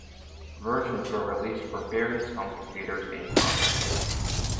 Versions were released for various home computers and consoles.